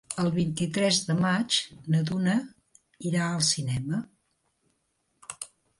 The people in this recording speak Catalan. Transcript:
El vint-i-tres de maig na Duna irà al cinema.